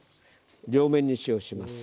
両面に塩をします。